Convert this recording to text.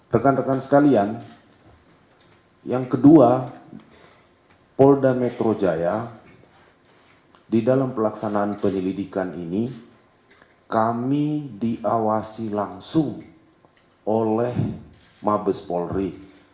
rekan rekan sekalian yang kedua polda metro jaya di dalam pelaksanaan penyelidikan ini kami diawasi langsung oleh mabes polri